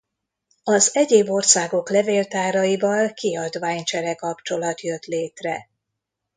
Az egyéb országok levéltáraival kiadványcsere-kapcsolat jött létre.